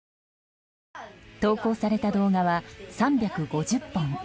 投稿された動画は３５０本。